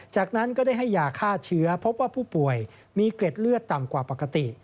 จากนั้นก็ได้ให้ยาฆ่าเชื้อพบว่าผู้ป่วยมีเกร็ดเลือดต่ำกว่าปกติ